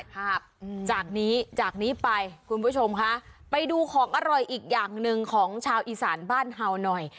ภาพจากนี้จากนี้ไปคุณผู้ชมคะไปดูของอร่อยอีกอย่างหนึ่งของชาวอีสานบ้านเห่าหน่อย